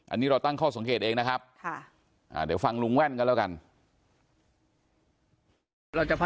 อันนี้เราตั้งข้อสงเขตเองนะครับ